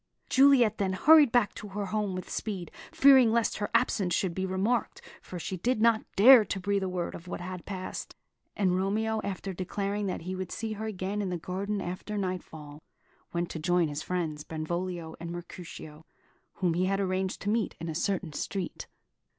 Juliet then hurried back to her home with speed, fearing lest her absence should be remarked, for she did not dare to breathe a word of what had passed; and Romeo, after declaring that he would see her again in the garden after nightfall, went to join his friends, Benvolio and Mercutio, whom he had arranged to meet in a certain street.